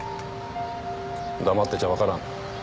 黙ってちゃ分からん